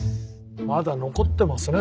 まだ残ってますね。